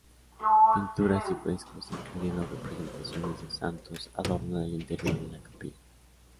Pinturas y frescos, incluyendo representaciones de santos adornan el interior de la capilla.